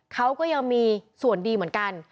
เขาก็ยังมีส่วนดีเหมือนกัน